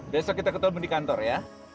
besok kita ketemu di kantor ya